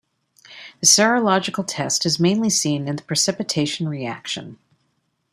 The serological test is mainly seen in the precipitation reaction.